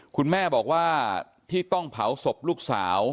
คุณแม่บอกว่าที่ต้องเผาศพลูกสาว